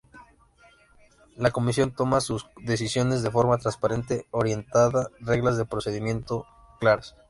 La Comisión toma sus decisiones de forma transparente, orientada por reglas de procedimiento claras.